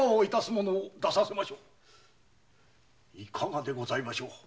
いかがでございましょう？